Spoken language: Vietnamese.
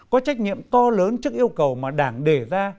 có trách nhiệm to lớn trước yêu cầu mà đảng đề ra